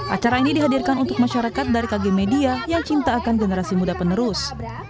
acara ini dihadirkan untuk masyarakat dari kg media yang cinta akan generasi muda penerus